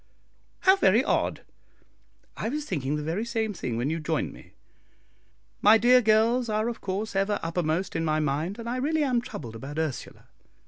"How very odd! I was thinking the very same thing when you joined me. My dear girls are of course ever uppermost in my mind, and I really am troubled about Ursula.